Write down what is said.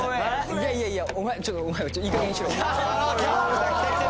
いやいやいやお前ちょっといい加減にしろよ。